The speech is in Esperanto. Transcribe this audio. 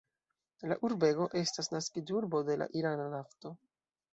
La urbego estas naskiĝurbo de la irana nafto.